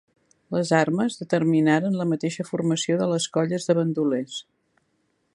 Les armes determinaren la mateixa formació de les colles de bandolers.